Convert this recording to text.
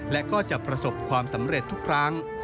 และก็จะประสบความสำเร็จทุกครั้ง